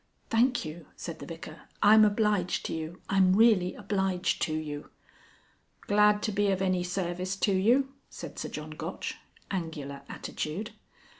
"Thank you," said the Vicar, "I'm obliged to you. I'm really obliged to you." "Glad to be of any service to you," said Sir John Gotch. (Angular attitude.)